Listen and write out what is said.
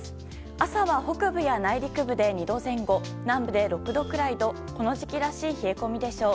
朝は北部や内陸部で２度前後南部は６度くらいとこの時期らしい冷え込みでしょう。